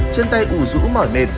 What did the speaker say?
trên tay ủ rũ mỏi mệt